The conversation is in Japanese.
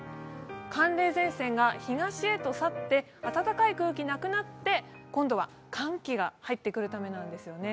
寒冷前線が東へと去って、暖かい空気がなくなって今度は寒気が入ってくるためなんですね。